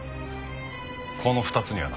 この２つにはな。